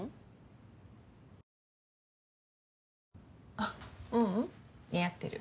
あううん似合ってる。